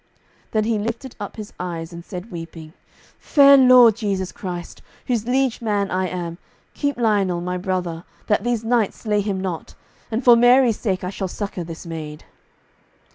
Then he lifted up his eyes, and said weeping, "Fair Lord Jesu Christ, whose liege man I am, keep Lionel my brother, that these knights slay him not; and for Mary's sake, I shall succour this maid."